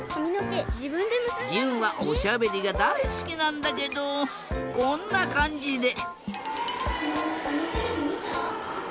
じゅんはおしゃべりがだいすきなんだけどこんなかんじで。